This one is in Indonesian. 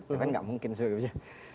tapi nggak mungkin sebagainya